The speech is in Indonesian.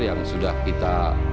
yang sudah kita